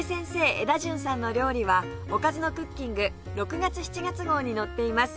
エダジュンさんの料理は『おかずのクッキング』６月７月号に載っています